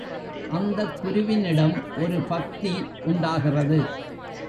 அந்தக் குருவினிடம் ஒரு பக்தி உண்டாகிறது.